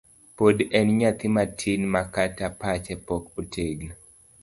Pod en nyathi matin makata pache pok otegno.